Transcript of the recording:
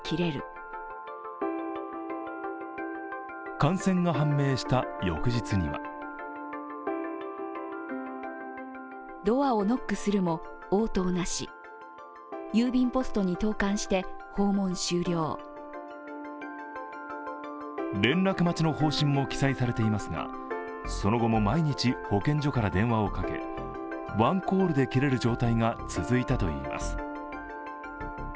感染が判明した翌日には連絡待ちの方針も記載されていますがその後も毎日、保健所から電話をかけ、ワンコールで切れる状態が続いたといいます。